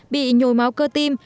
bị nhồi máu cơ tim